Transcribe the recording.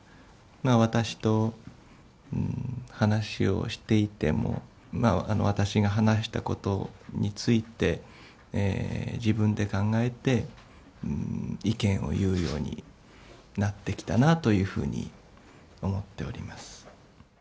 私と話をしていても、私が話したことについて、自分で考えて、意見を言うようになってきたなというふうに思っております。